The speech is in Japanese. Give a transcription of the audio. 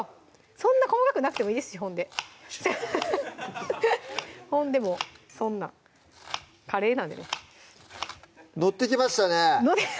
そんな細かくなくてもいいですしほんでほんでもうそんなんカレーなんでね乗ってきましたね